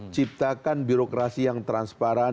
ciptakan birokrasi yang transparan